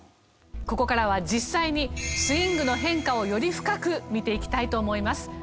ここからは実際にスイングの変化をより深く見ていきたいと思います。